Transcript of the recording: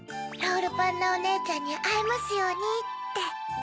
ロールパンナおねえちゃんにあえますようにって。